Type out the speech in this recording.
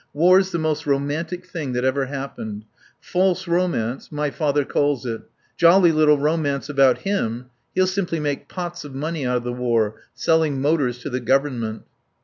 "War's the most romantic thing that ever happened ... False romance, my father calls it. Jolly little romance about him. He'll simply make pots of money out of the war, selling motors to the Government."